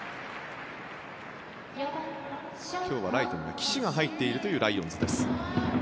今日はライトには岸が入っているというライオンズです。